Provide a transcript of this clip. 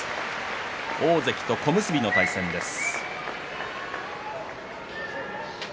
大関と小結の対戦です。